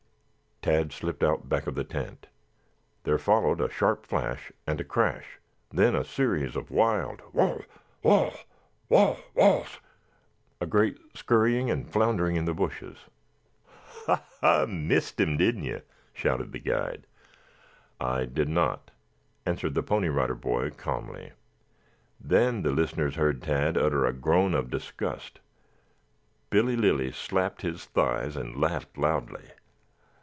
Tad slipped out back of the tent. There followed a sharp flash, and a crash, then a series of wild "waugh, waugh, waugh, waughs," a great scurrying and floundering in the bushes. "Ha, ha! Missed him, didn't you?" shouted the guide. "I did not," answered the Pony Rider Boy calmly. Then the listeners heard Tad utter a groan of disgust. Billy Lilly slapped his thighs and laughed loudly.